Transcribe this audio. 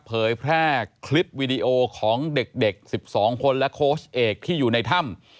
เผยแพร่คลิปวิดีโอของเด็ก๑๒คนและโค้ชเอกที่อยู่ในถ้ำ